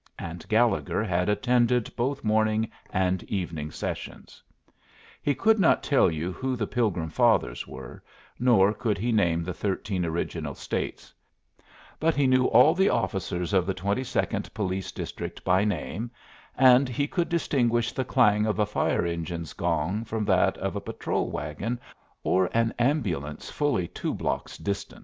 And Gallegher had attended both morning and evening sessions. He could not tell you who the Pilgrim Fathers were, nor could he name the thirteen original States, but he knew all the officers of the twenty second police district by name, and he could distinguish the clang of a fire engine's gong from that of a patrol wagon or an ambulance fully two blocks distant.